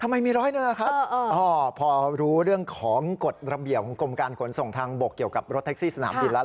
มีร้อยหนึ่งล่ะครับพอรู้เรื่องของกฎระเบียบของกรมการขนส่งทางบกเกี่ยวกับรถแท็กซี่สนามบินแล้ว